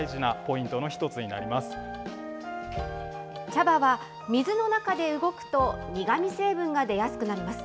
茶葉は水の中で動くと苦み成分が出やすくなります。